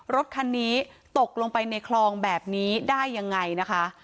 รถคันนี้ตกลงไปในคลองแบบนี้ได้ยังไงนะคะ